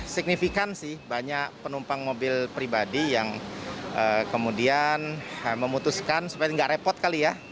signifikan sih banyak penumpang mobil pribadi yang kemudian memutuskan supaya nggak repot kali ya